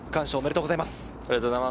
おめでとうございます。